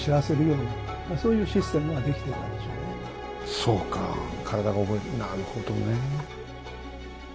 そうか体が覚えるなるほどね。